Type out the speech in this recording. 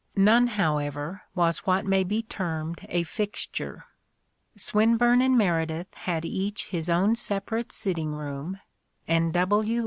None, c A DAY WITH ROSSETTI. however, was what may be termed a fixture. Swinburne and Meredith had each his own separate sitting room, and W.